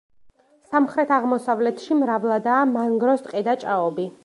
სამხრეთ-აღმოსავლეთში მრავლადაა მანგროს ტყე და ჭაობი.